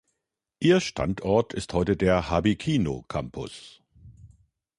Ihr Standort ist heute der Habikino-Campus.